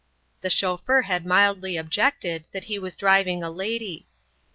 The chauffeur had mildly objected that he was driving a lady.